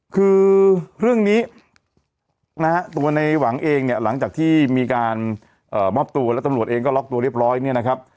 คือเรื่องนี้นะฮะตัวในหวังเองเนี่ยหลังจากที่มีการมอบตัวแล้วตำรวจเองก็ล็อกตัวเรียบร้อยเนี่ยนะครับ